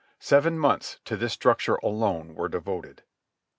Seven months to this structure alone were devoted.